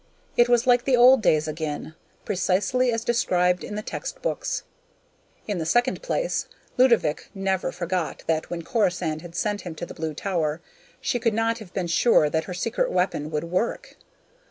It was like the old days again, precisely as described in the textbooks. In the second place, Ludovick could never forget that, when Corisande had sent him to the Blue Tower, she could not have been sure that her secret weapon would work.